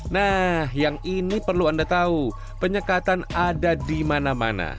nah yang ini perlu anda tahu penyekatan ada di mana mana